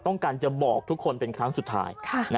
ต้องการจะบอกทุกคนเป็นครั้งสุดท้าย